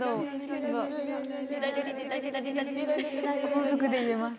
高速で言えます。